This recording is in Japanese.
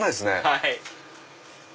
はい。